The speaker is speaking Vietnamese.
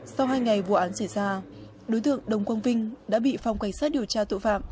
sau hai ngày vụ án xảy ra đối tượng đồng quang vinh đã bị phòng cảnh sát điều tra tội phạm